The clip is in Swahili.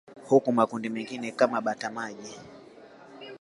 Huku makundi mengine kama bata maji